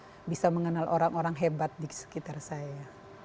saya bisa mengenal orang orang hebat di sekitar saya